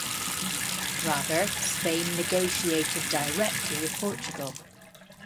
Rather, Spain negotiated directly with Portugal.